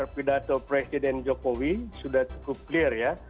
kalau kita mendengar pidato presiden jokowi sudah cukup clear ya